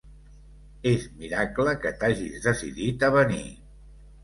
És miracle que t'hagis decidit a venir!